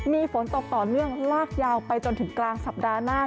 มีฝนตกต่อเนื่องลากยาวไปจนถึงกลางสัปดาห์หน้า